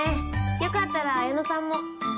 よかったら綾乃さんも。